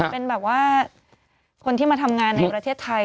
เป็นแบบว่าคนที่มาทำงานในประเทศไทย